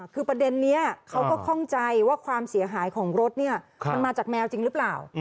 คือประเด็นนี้เขาก็คล่องใจว่าความเสียหายของรถเนี่ยมันมาจากแมวจริงหรือเปล่า